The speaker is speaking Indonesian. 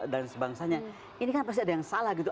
dan sebangsanya ini kan pasti ada yang salah gitu